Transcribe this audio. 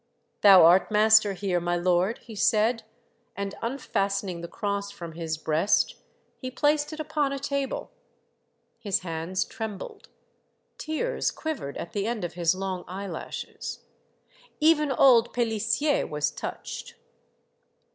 " Thou art master here, my Lord," he said, and unfastening the cross from his breast, he placed it upon a table. His hands trembled. Tears quiv ered at the end of his long eyelashes. Even old Pelissier was touched.